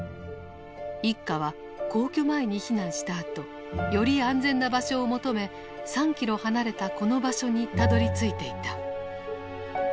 一家は皇居前に避難したあとより安全な場所を求め３キロ離れたこの場所にたどりついていた。